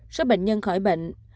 số bệnh nhân khỏi bệnh